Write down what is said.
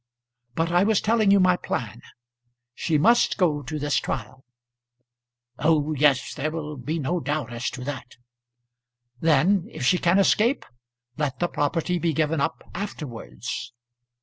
But I was telling you my plan. She must go to this trial." "Oh yes; there will be no doubt as to that." "Then if she can escape, let the property be given up afterwards."